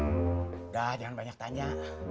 udah jangan banyak tanya